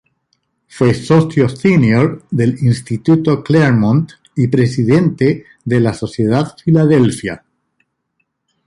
Fue socio senior del Instituto Claremont y presidente de la Sociedad Filadelfia.